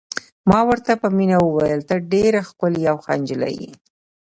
ما ورته په مینه وویل: ته ډېره ښکلې او ښه نجلۍ یې.